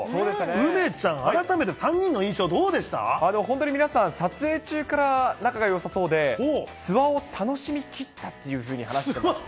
梅ちゃん、本当に皆さん、撮影中から仲がよさそうで、諏訪を楽しみきったっていうふうに話してましたね。